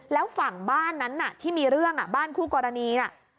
แล้วฝั่งบ้านนั้นที่มีเรื่องบ้านคู่กรณีน่ะ